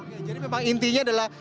oke jadi memang intinya adalah